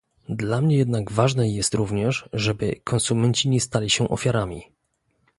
Dla mnie jednak ważne jest również, żeby konsumenci nie stali się ofiarami